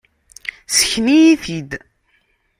Sken-iyi-t-id.